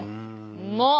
うまっ！